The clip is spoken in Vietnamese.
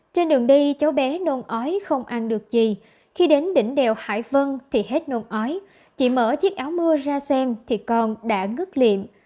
trên đường đi cháu bé nôn ói không ăn được gì khi đến đỉnh đèo hải vân thì hết nôn ói chị mở chiếc áo mưa ra xem thì con đã ngứt liệm